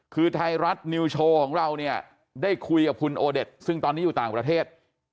คือไทยรัฐนิวโชว์ของเราเนี่ยได้คุยกับคุณโอเด็ดซึ่งตอนนี้อยู่ต่างประเทศ